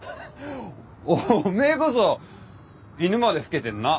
お前こそ犬まで老けてんな。